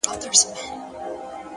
د کړکۍ خلاصه برخه د نړۍ کوچنی درشل وي